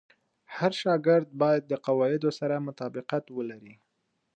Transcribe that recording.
هر شاګرد باید د قواعدو سره مطابقت ولري.